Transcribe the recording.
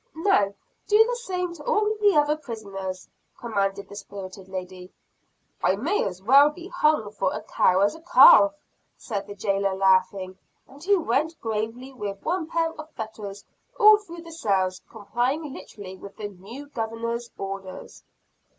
"Now, do the same to all the other prisoners!" commanded the spirited lady. "I may as well be hung for a cow as a calf," said the jailer laughing and he went gravely with one pair of fetters all through the cells, complying literally with the new Governor's orders.